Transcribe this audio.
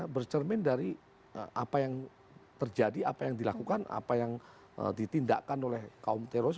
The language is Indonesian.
bercermin dari apa yang terjadi apa yang dilakukan apa yang ditindakkan oleh kaum teroris